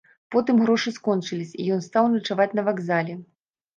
Потым грошы скончыліся і ён стаў начаваць на вакзале.